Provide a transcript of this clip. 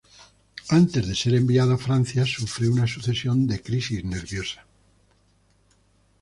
Antes de ser enviado a Francia sufre una sucesión de crisis nerviosas.